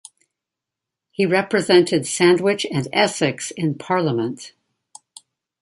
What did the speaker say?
He represented Sandwich and Essex in Parliament.